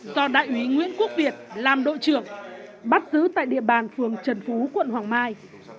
do đại úy nguyễn quốc việt làm đội trưởng bắt giữ tại địa bàn phường trần phú quận hoàng mai